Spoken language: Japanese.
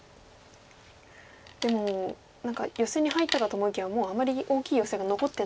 でも何かヨセに入ったかと思いきやもうあまり大きいがヨセが残ってない。